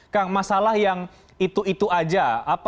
kang masalah yang itu itu aja